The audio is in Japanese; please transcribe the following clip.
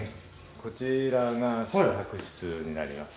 こちらが宿泊室になります。